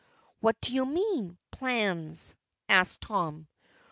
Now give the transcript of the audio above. "What do you mean 'plans'?" asked Tom.